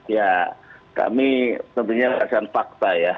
ya kami tentunya berdasarkan fakta ya